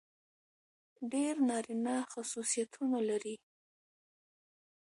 ډېر نارينه خصوصيتونه لري.